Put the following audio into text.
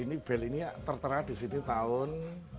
ini bel ini ya tertera di sini tahun seribu delapan ratus lima puluh empat